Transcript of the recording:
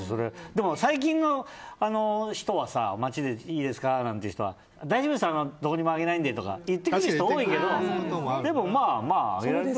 でも最近の人は街で、いいですか？なんて人は大丈夫です、どこにも上げないんでって言ってくれる人多いけどでも、まあまあ。